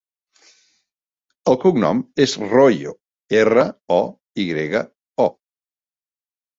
El cognom és Royo: erra, o, i grega, o.